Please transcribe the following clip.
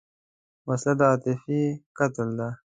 وسله د عاطفې قتل ده